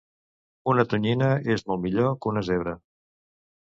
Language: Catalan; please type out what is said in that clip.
Una tonyina és molt millor que una zebra